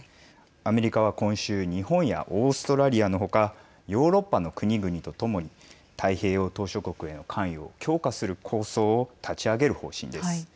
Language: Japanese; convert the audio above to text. アメリカは今週日本やオーストラリアのほかヨーロッパの国々とともに太平洋島しょ国への関与を強化する構想を立ち上げる方針です。